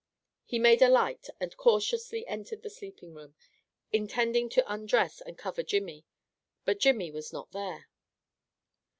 He made a light, and cautiously entered the sleeping room, intending to undress and cover Jimmy, but Jimmy was not there.